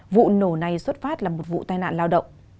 vụ nổ này xuất phát là một vụ tai nạn lao động